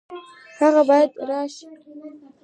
هغه باید راشي